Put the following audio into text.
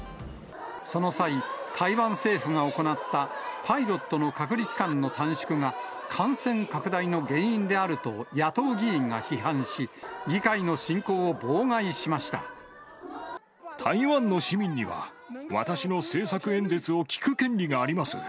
その際、台湾政府が行ったパイロットの隔離期間の短縮が、感染拡大の原因であると野党議員が批判し、議会の進行を妨害しま台湾の市民には、私の政策演説を聞く権利があります。